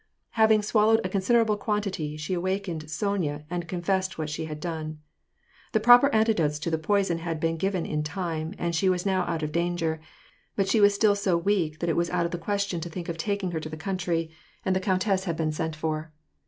Having swallowed a considerable quantity, she awakened Sonya and confessed what she had done. The proper anti dotes to the poison had been given in time, and she was now out of danger, but she was still so weak that it was out of the question to think of taking her to the country, and the VOL. 2. —26. 386 WAR AND PEACE. countess had been sent for.